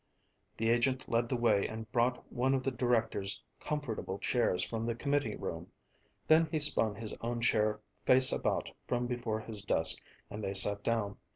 The agent led the way and brought one of the directors' comfortable chairs from their committee room. Then he spun his own chair face about from before his desk and they sat down.